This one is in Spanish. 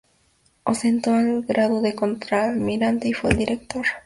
Ostentó el grado de contraalmirante y fue director de la Escuela Naval de Veracruz.